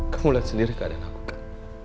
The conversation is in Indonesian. kamu lihat sendiri keadaan aku kan